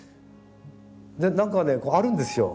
でなんかねこうあるんですよ